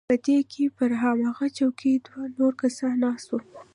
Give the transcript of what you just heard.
په دې کښې پر هماغه چوکۍ دوه نور کسان ناست وو.